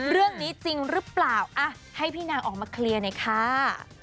เรื่องนี้จริงหรือเปล่าให้พี่นางออกมาเคลียร์หน่อยค่ะ